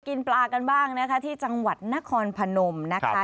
กินปลากันบ้างนะคะที่จังหวัดนครพนมนะคะ